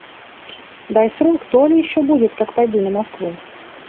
Дай срок, то ли еще будет, как пойду на Москву.